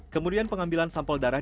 kemudian pengambilan sampel darah dari rss